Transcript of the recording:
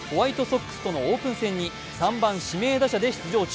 現在、ホワイトソックスとのオープン戦に３番・指名打者で出場中。